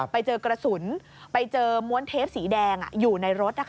ไปเจอกระสุนไปเจอม้วนเทปสีแดงอยู่ในรถ